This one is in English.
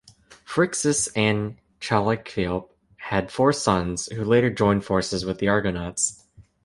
Phrixus and Chalciope had four sons, who later joined forces with the Argonauts.